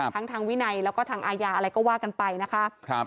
ทั้งทางวินัยแล้วก็ทางอาญาอะไรก็ว่ากันไปนะคะ